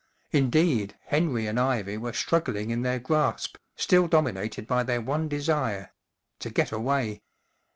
Indeed, Henry and Ivy were struggling in their grasp, still dominated by their one desire : to get away.